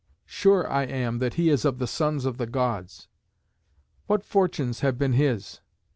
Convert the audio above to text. Sure I am that he is of the sons of the Gods. What fortunes have been his!